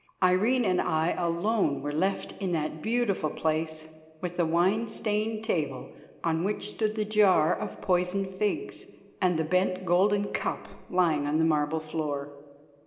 Irene and I alone were left in that beautiful place with the wine stained table on which stood the jar of poisoned figs and the bent golden cup lying on the marble floor.